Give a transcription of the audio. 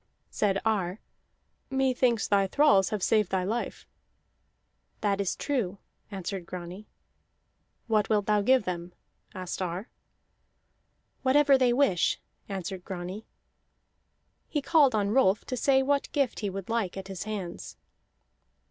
Said Ar: "Methinks thy thralls have saved thy life." "That is true," answered Grani. "What wilt thou give them?" asked Ar. "Whatever they wish," answered Grani. He called on Rolf to say what gift he would like at his hands.